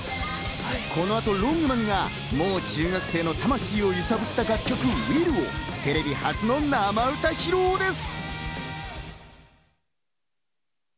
この後、ＬＯＮＧＭＡＮがもう中学生の魂を揺さぶった楽曲『Ｗｉｌｌ』、テレビ初の生歌披露です。